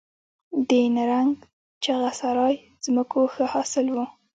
د نرنګ، چغه سرای ځمکو ښه حاصل و